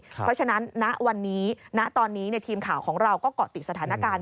เพราะฉะนั้นณวันนี้ณตอนนี้ทีมข่าวของเราก็เกาะติดสถานการณ์